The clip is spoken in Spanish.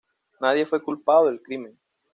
Nadie fue culpado del crimen.